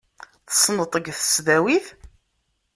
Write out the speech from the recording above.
Tessned-t deg tesdawit?